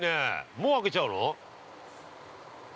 もう上げちゃうの？